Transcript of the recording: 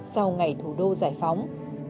sau ngày thủ đô giải phóng